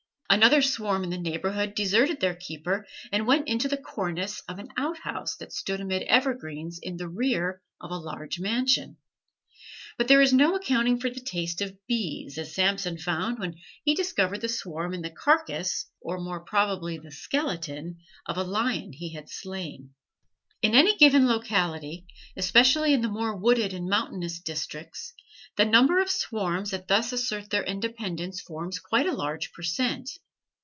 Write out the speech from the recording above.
Another swarm in the neighborhood deserted their keeper and went into the cornice of an out house that stood amid evergreens in the rear of a large mansion. But there is no accounting for the taste of bees, as Samson found when he discovered the swarm in the carcass, or more probably the skeleton, of the lion he had slain. In any given locality, especially in the more wooded and mountainous districts, the number of swarms that thus assert their independence forms quite a large per cent.